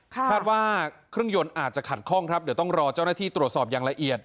คาดว่าเครื่องยนต์อาจจะขัดข้องครับเดี๋ยวต้องรอเจ้าหน้าที่ตรวจสอบอย่างละเอียด